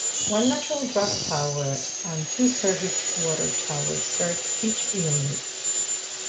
One natural-draft tower and two service water towers serve each unit.